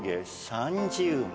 ３０枚！？